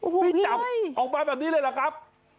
ไปจับออกมาแบบนี้เลยเหรอครับ